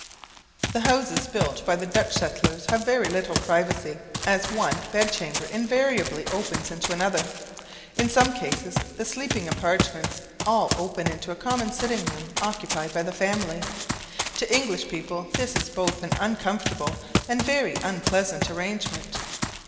The houses built by the Dutch settlers have very little privacy, as one bed chamber invariably opens into another. In some cases, the sleeping apartments all open into a common sitting room occupied by the family. To English people, this is both an uncomfortable and very unpleasant arrangement.